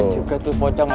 juga tuh pocong